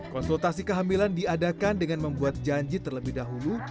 konsultasi kehamilan diadakan dengan membuat janji terlebih dahulu